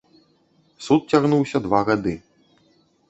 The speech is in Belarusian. Суд цягнуўся два гады.